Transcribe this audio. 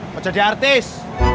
mau jadi artis